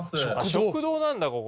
食堂なんだここ。